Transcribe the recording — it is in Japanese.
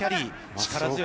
力強い。